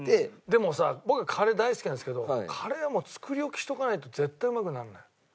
でもさ僕はカレー大好きなんですけどカレーはもう作り置きしとかないと絶対うまくならない。